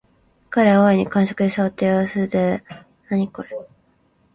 彼は大いに肝癪に障った様子で、寒竹をそいだような耳をしきりとぴく付かせてあららかに立ち去った